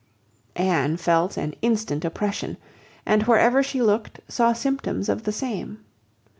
Anne felt an instant oppression, and wherever she looked saw symptoms of the same.